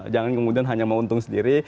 jangan kemudian hanya mau untung sendiri